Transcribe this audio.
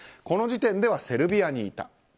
この時点ではセルビアにいた。